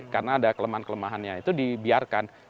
karena ada kelemahan kelemahannya itu dibiarkan